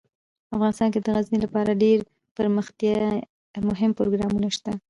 افغانستان کې د غزني لپاره ډیر دپرمختیا مهم پروګرامونه شته دي.